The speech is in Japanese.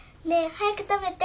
早く食べて。